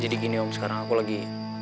jadi gini om sekarang aku lagi